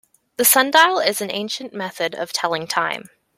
The sundial is an ancient method of telling time.